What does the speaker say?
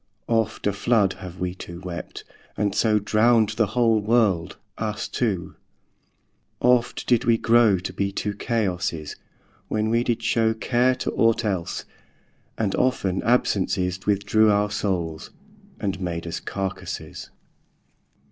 Oft a flood Have wee two wept, and so Drownd the whole world, us two; oft did we grow To be two Chaosses, when we did show Care to ought else; and often absences Withdrew our soules, and made us carcasses.